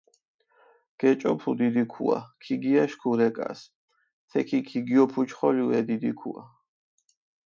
გეჭოფუ დიდი ქუა, ქიგიაშქუ რეკას, თექი ქიგიოფუჩხოლჷ ე დიდი ქუა.